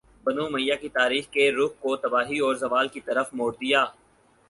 بنو امیہ کی تاریخ کے رخ کو تباہی اور زوال کی طرف موڑ دیا